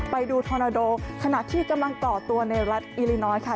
ไปดูทอนาโดขณะที่กำลังก่อตัวในรัฐอิลิน้อยค่ะ